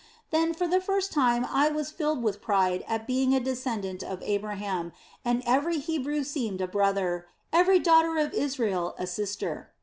Then for the first time I was filled with pride at being a descendant of Abraham, and every Hebrew seemed a brother, every daughter of Israel a sister.